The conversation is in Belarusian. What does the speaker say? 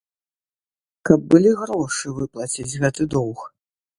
Каб былі грошы выплаціць гэты доўг.